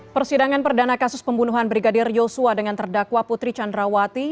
persidangan perdana kasus pembunuhan brigadir yosua dengan terdakwa putri candrawati